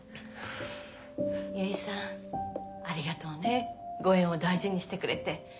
結さんありがとうねご縁を大事にしてくれて。